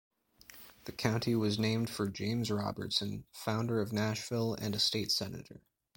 The county was named for James Robertson, founder of Nashville and a state senator.